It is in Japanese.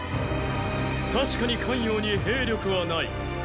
たしかに咸陽に兵力はない。